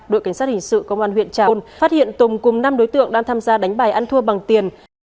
đội cảnh sát hình sự công an huyện trà ôn phát hiện tùng cùng năm đối tượng đang tham gia đánh bài ăn thua bằng tiền